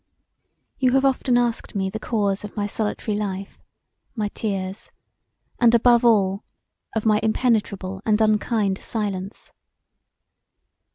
You have often asked me the cause of my solitary life; my tears; and above all of my impenetrable and unkind silence.